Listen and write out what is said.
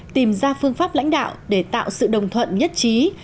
tìm ra phương pháp lãnh đạo để tạo sự đồng thuận nhất trí